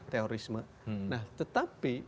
teorisme nah tetapi